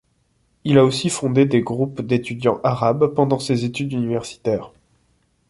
Il a aussi fondé des groupes d'étudiants arabes pendant ses études universitaires.